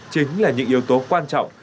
chính là những yếu tố quan trọng